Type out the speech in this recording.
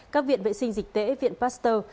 các viện vệ sinh dịch tễ viện pasteur